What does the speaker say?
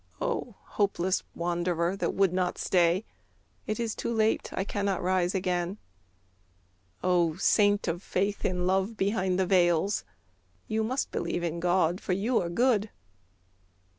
O hopeless wanderer that would not stay, ("It is too late, I cannot rise again!") O saint of faith in love behind the veils, ("You must believe in God, for you are good!")